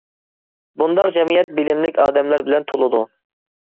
بۇنداق جەمئىيەت بىلىملىك ئادەملەر بىلەن تولىدۇ.